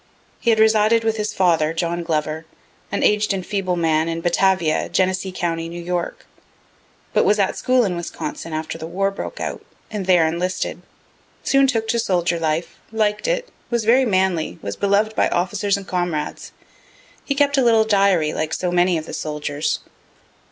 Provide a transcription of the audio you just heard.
He had resided with his father, John Glover, an aged and feeble man, in Batavia, Genesee county, N. Y., but was at school in Wisconsin, after the war broke out, and there enlisted soon took to soldier life, liked it, was very manly, was belov'd by officers and comrades. He kept a little diary, like so many of the soldiers.